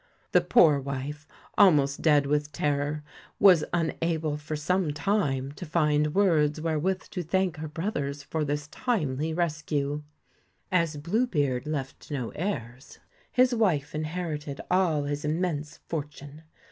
The poor wife, almost dead with terror, was un 167 BLUE able for some time to find words wherewith to BEARD thank her brothers for this timely rescue. As Blue beard left no heirs, his wife inherited all his immense fortune.